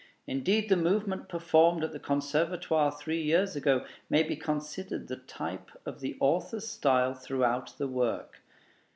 Indeed, the movement performed at the Conservatoire three years ago may be considered the type of the author's style throughout the work.